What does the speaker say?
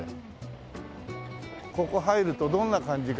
ここ入るとどんな感じかな？